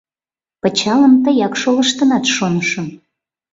— Пычалым тыяк шолыштынат, шонышым.